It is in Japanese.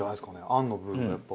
あんの部分やっぱ。